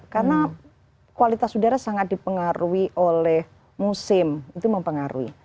karena kualitas udara sangat dipengaruhi oleh musim itu mempengaruhi